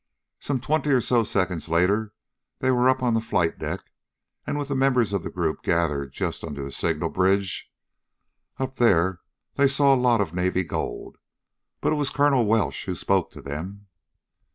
Some twenty or so seconds later they were up on the flight deck and with the members of the group gathered just under the signal bridge. Up there they saw a lot of Navy gold, but it was Colonel Welsh who spoke to them.